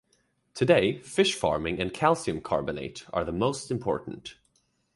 Today fish farming and calcium carbonate are most important.